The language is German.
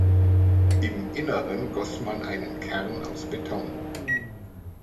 Im Inneren goss man einen Kern aus Beton.